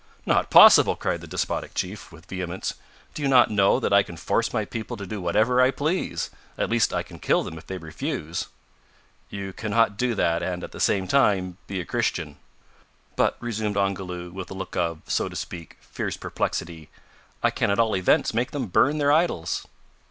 "Not possible!" cried the despotic chief, with vehemence. "Do you not know that I can force my people to do whatever I please? at least I can kill them if they refuse." "You cannot do that and, at the same time, be a Christian." "But," resumed Ongoloo, with a look of, so to speak, fierce perplexity, "I can at all events make them burn their idols."